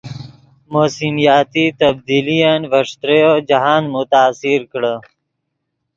موسمیاتی تبدیلین ڤے ݯتریو جاہند متاثر کڑے